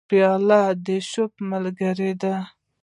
پیاله د شپو ملګرې ده.